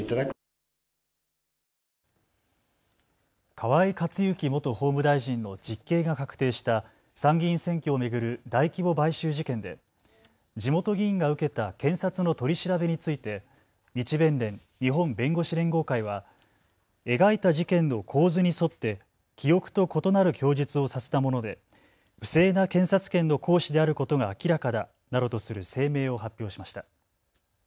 河井克行元法務大臣の実刑が確定した参議院選挙を巡る大規模買収事件で地元議員が受けた検察の取り調べについて日弁連・日本弁護士連合会は描いた事件の構図に沿って記憶と異なる供述をさせたもので不正な検察権の行使であることが明らかだなどとする声明を発表しました。